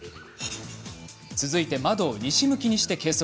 続いて窓を西向きにして計測。